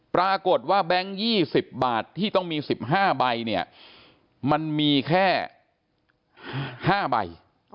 แบงค์๒๐บาทที่ต้องมี๑๕ใบเนี่ยมันมีแค่๕ใบ